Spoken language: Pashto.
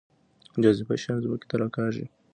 جاذبه شیان ځمکې ته راکاږي